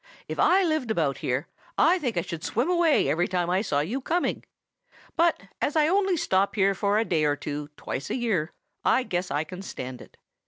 If I lived about here, I think I should swim away every time I saw you coming. But as I only stop here for a day or two twice a year, I guess I can stand it.